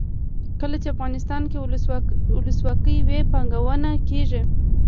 کله چې افغانستان کې ولسواکي وي پانګونه کیږي.